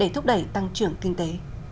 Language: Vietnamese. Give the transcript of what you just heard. thúc đẩy tăng trưởng kinh tế